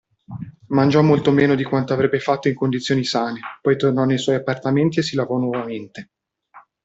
Mangiò molto meno di quanto avrebbe fatto in condizioni sane, poi tornò nei suoi appartamenti e si lavò nuovamente.